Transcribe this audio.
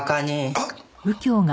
あっ！